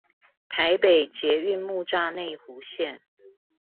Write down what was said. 台北捷運木柵內湖線